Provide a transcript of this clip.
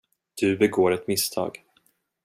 Du begår ett misstag.